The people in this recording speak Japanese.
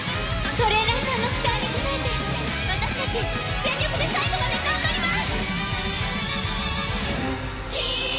トレーナーさんたちの期待に応えて私たち、全力で最後まで頑張ります！